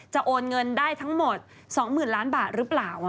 โอนเงินได้ทั้งหมด๒๐๐๐ล้านบาทหรือเปล่า